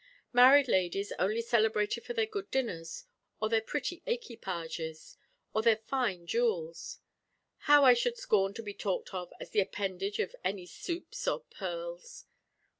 Married ladies only celebrated for their good dinners, or their pretty equipages, or their fine jewels. How I should scorn to be talked of as the appendage to any soups or pearls!